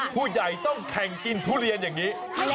ผู้ใหญ่ต้องแข่งกินทุเรียนอย่างนี้